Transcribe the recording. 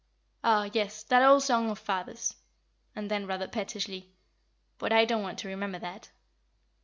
"Oh, yes, that old song of father's." And then, rather pettishly, "But I don't want to remember that."